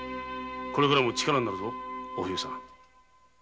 これからも力になるぞお冬さん。